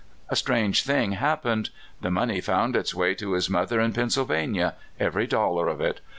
A strange thing happened: the money found its way to his mother in Pennsylva nia, every dollar of it.